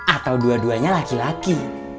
atau dua duanya laki laki